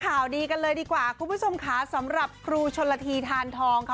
ข่าวดีกันเลยดีกว่าคุณผู้ชมค่ะสำหรับครูชนละทีทานทองค่ะ